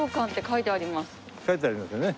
書いてありますよね？